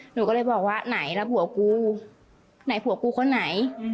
หนูก็เลยบอกว่าไหนแล้วผัวกูไหนผัวกูคนไหน